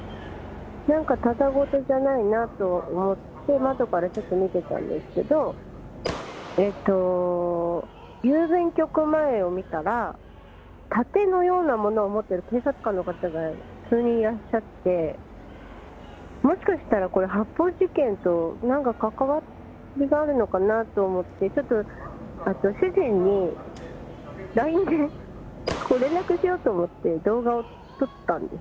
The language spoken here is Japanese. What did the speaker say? なんかただごとじゃないなと思って、窓からちょっと見てたんですけど、郵便局前を見たら、盾のようなものを持ってる警察官の方が数人いらっしゃって、もしかしたらこれ、発砲事件となんか関わりがあるのかなと思って、ちょっと主人にＬＩＮＥで連絡しようと思って、動画を撮ったんです。